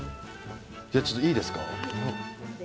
じゃあいいですか？